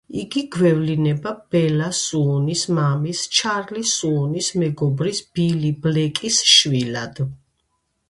იგი გვევლინება ბელა სუონის მამის, ჩარლი სუონის მეგობრის ბილი ბლეკის შვილად.